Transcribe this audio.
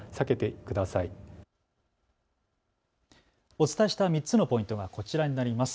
お伝えした３つのポイントがこちらになります。